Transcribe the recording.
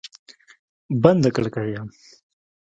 بنده کړکۍ یم